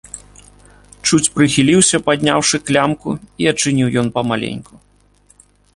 Чуць прыхіліўся, падняўшы клямку, і адчыніў ён памаленьку.